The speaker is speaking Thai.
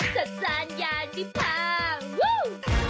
จัดสรรยานดิบพาวู้